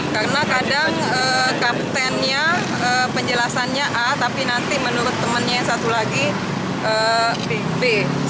karena kadang kaptennya penjelasannya a tapi nanti menurut temannya yang satu lagi b